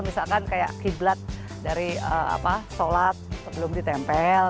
misalkan kayak kiblat dari sholat sebelum ditempel